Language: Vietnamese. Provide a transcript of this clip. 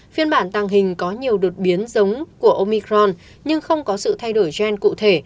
phiên bản tàng hình có nhiều đột biến giống của omicron nhưng không có sự thay đổi gen cụ thể